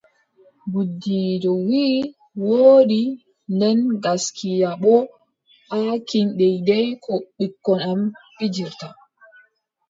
Gudiijo wii : woodi, nden gaskiya boo baakin deydey ko ɓikkon am pijiirta.